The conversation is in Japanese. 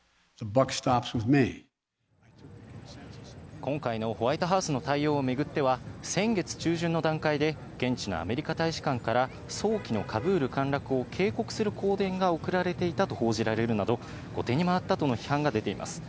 今回のホワイトハウスの対応を巡っては、先月中旬の段階で、現地のアメリカ大使館から、早期のカブール陥落を警告する公電が送られていたと報じられるなど、後手に回ったとの批判も出ています。